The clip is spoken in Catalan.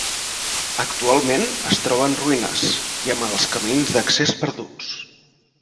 Actualment es troba en ruïnes, i amb els camins d'accés perduts.